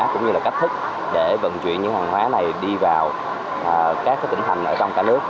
cũng như là cách thức để vận chuyển những hàng hóa này đi vào các tỉnh thành trong cả nước